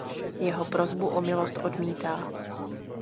Jeho prosbu o milost odmítá.